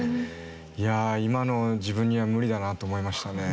いや今の自分には無理だなと思いましたね。